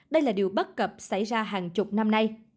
đây là điều bất cập xảy ra hàng chục năm nay